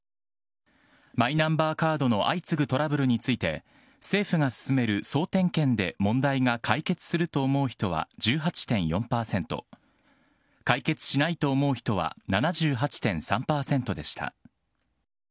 マイナンバーカードの相次ぐトラブルについて政府が進める総点検で問題が解決すると思う人は１８．４％、解決しないと思う人は７８．３％でした。